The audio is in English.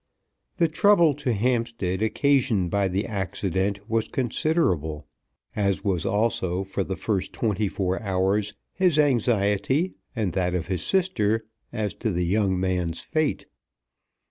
The trouble to Hampstead occasioned by the accident was considerable, as was also for the first twenty four hours his anxiety and that of his sister as to the young man's fate.